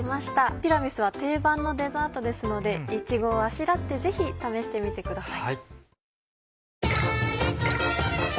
ティラミスは定番のデザートですのでいちごをあしらってぜひ試してみてください。